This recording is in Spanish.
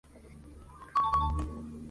Para "Grijalbo", en la revista"Guai!